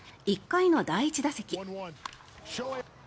１回の第１打席。